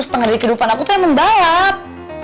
setengah dari kehidupan aku tuh yang membalap